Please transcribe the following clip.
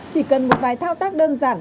chỉ cần một vài thao tác đơn giản